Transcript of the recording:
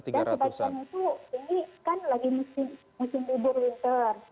dan sebagiannya itu ini kan lagi musim dihubung winter